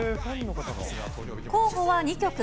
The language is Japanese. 候補は２曲。